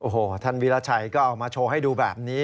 โอ้โหท่านวิราชัยก็เอามาโชว์ให้ดูแบบนี้